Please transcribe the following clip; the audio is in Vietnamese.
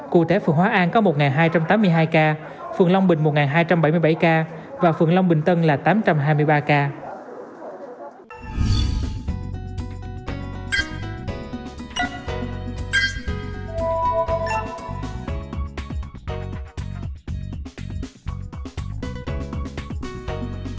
cụ thể phường hóa an có một hai trăm tám mươi hai ca phường long bình một hai trăm bảy mươi bảy ca và phường long bình tân là tám trăm hai mươi ba ca